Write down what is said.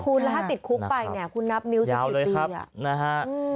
คุณนับนิวสิบสิบปีอ่ะยาวเลยครับนะฮะ